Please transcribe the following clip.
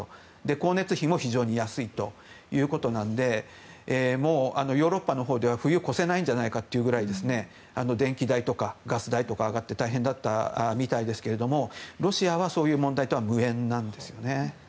光熱費も非常に安いということなのでヨーロッパのほうでは冬を越せないんじゃないかというぐらい電気代とかガス代とかが上がって大変だったみたいですけどロシアはそういう問題とは無縁なんですよね。